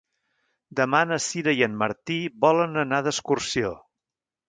Demà na Sira i en Martí volen anar d'excursió.